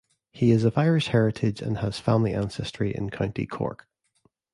He is of Irish heritage and has family ancestry in County Cork.